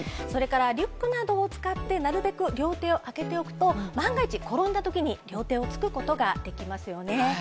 それからリュックなどを使って、なるべく両手を空けておくと、万が一、転んだときに両手をつくことができますよね。